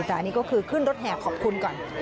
แต่อันนี้ก็คือขึ้นรถแห่ขอบคุณก่อน